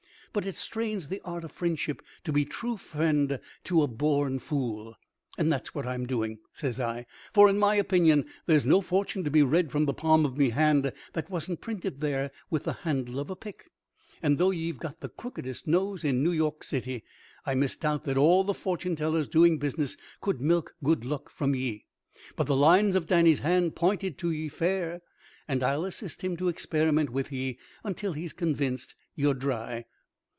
But it strains the art of friendship to be true friend to a born fool. And that's what I'm doing," says I, "for, in my opinion, there's no fortune to be read from the palm of me hand that wasn't printed there with the handle of a pick. And, though ye've got the crookedest nose in New York City, I misdoubt that all the fortune tellers doing business could milk good luck from ye. But the lines of Danny's hand pointed to ye fair, and I'll assist him to experiment with ye until he's convinced ye're dry."